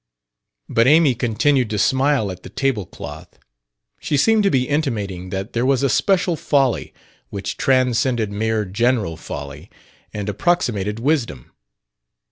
But Amy continued to smile at the table cloth. She seemed to be intimating that there was a special folly which transcended mere general folly and approximated wisdom.